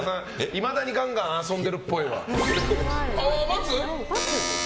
いまだにガンガン遊んでるっぽい。×？